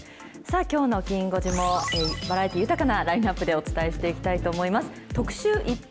きょうのきん５時も、バラエティ豊かなラインナップで、お伝えしていきたいと思います。